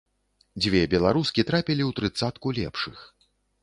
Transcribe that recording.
Дзве беларускі трапілі ў трыццатку лепшых.